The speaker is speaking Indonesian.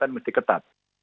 yang mesti ketat